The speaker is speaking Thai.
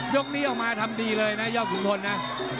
ยกนี้ออกมาทำดีเลยนะยอดขุนพลนะ